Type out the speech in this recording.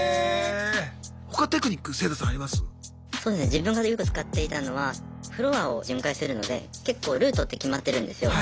自分がよく使っていたのはフロアを巡回してるので結構ルートって決まってるんですよ。